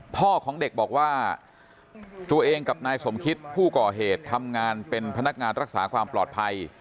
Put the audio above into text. พ่อของเด็กบอกว่าตัวเองกับนายสมคิตผู้ก่อเหตุทำงานเป็นพนักงานรักษาความปลอดภัย